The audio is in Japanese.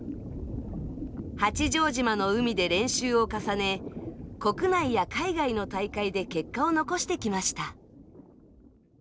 八丈島の海で練習を重ね、国内や海外の大会で結果を残してきました。